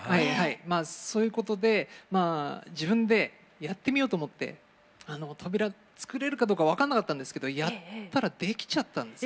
そういうことでまあ自分でやってみようと思って扉を作れるかどうか分かんなかったんですけどやったらできちゃったんです。